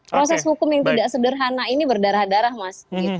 proses hukum yang tidak sederhana ini berdarah darah mas